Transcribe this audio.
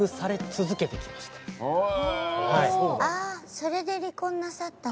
それで離婚なさったの？